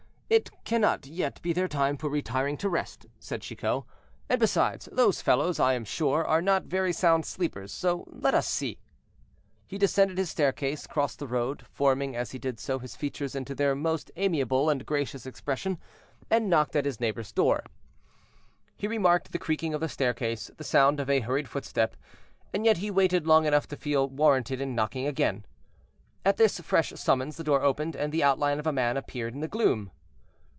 "It cannot yet be their time for retiring to rest," said Chicot; "and besides, those fellows, I am sure, are not very sound sleepers; so let us see." He descended his staircase, crossed the road—forming, as he did so, his features into their most amiable and gracious expression—and knocked at his neighbor's door. He remarked the creaking of the staircase, the sound of a hurried footstep, and yet he waited long enough to feel warranted in knocking again. At this fresh summons the door opened, and the outline of a man appeared in the gloom.